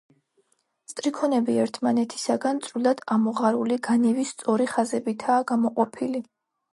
სტრიქონები ერთმანეთისაგან წვრილად ამოღარული განივი სწორი ხაზებითაა გამოყოფილი.